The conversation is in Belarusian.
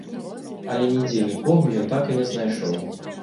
Але нідзе нікога ён так і не знайшоў.